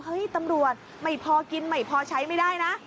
ตำรวจไม่พอกินไม่พอใช้ไม่ได้นะ